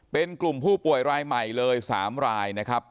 เป็นกลุ่มผู้ป่วยรายใหม่เลย๓รายนะครับ